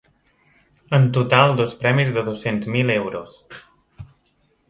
En total, dos premis de dos-cents mil euros.